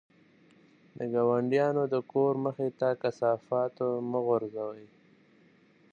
د ګاونډیانو د کور مخې ته د کثافاتو مه غورځوئ.